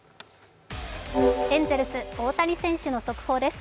エンゼルス・大谷選手の速報です。